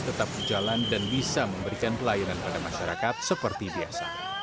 tetap berjalan dan bisa memberikan pelayanan pada masyarakat seperti biasa